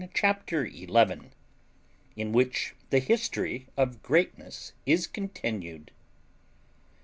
CHAPTER FOURTEEN IN WHICH THE HISTORY OF GREATNESS IS CONTINUED.